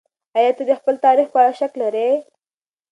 ايا ته د خپل تاريخ په اړه شک لرې؟